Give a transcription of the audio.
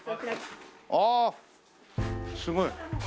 ああすごい。